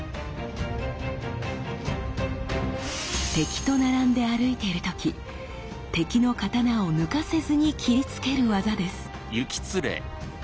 敵と並んで歩いている時敵の刀を抜かせずに斬りつける業です。